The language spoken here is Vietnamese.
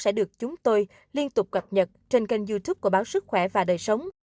sẽ được chúng tôi liên tục cập nhật trên kênh youtube của báo sức khỏe và đời sống